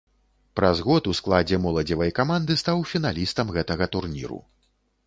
Праз год у складзе моладзевай каманды стаў фіналістам гэтага турніру.